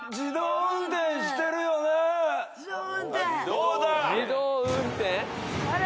どうだ？